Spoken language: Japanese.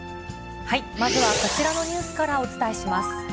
まずはこちらのニュースからお伝えします。